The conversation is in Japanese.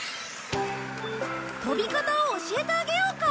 飛び方を教えてあげようか？